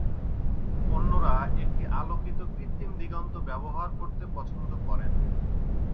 অন্যরা একটি আলোকিত কৃত্রিম দিগন্ত ব্যবহার করতে পছন্দ করেন।